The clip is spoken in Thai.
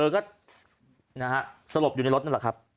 ก็สลบอยู่ในรถนั่นแหละครับ